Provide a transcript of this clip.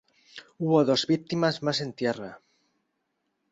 Hubo dos víctimas más en tierra.